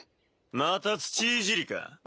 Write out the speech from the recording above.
・また土いじりか。